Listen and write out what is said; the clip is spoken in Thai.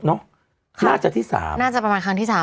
น่าจะที่๓น่าจะประมาณครั้งที่๓